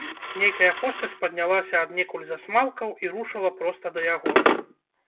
Нейкая постаць паднялася аднекуль з асмалкаў і рушыла проста да яго.